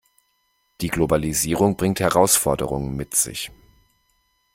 Die Globalisierung bringt Herausforderungen mit sich.